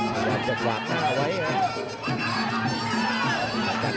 พยายามจัดหวากหน้าไว้ครับ